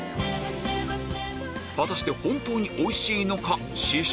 果たして本当においしいのか試食